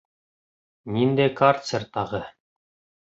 Ниндәй карцер тағы?